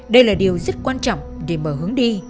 đây là điều rất quan trọng để mở hướng đi